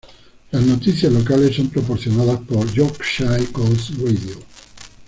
Las noticias locales son proporcionadas por Yorkshire Coast Radio